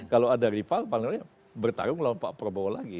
kalau ada rival paling lain bertarung melawan pak prabowo lagi